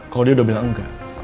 kalo dia udah bilang engga